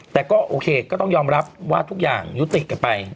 แต่ก็โอเคก็ต้องยอมรับว่าทุกอย่างยุติกันไป